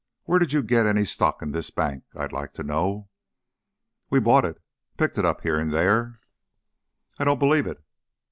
_ Where did you get any stock in this bank, I'd like to know?" "We bought it. Picked it up here and there " "I don't believe it!"